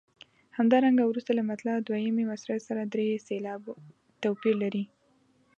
همدارنګه وروسته له مطلع دویمې مصرع سره درې سېلابه توپیر لري.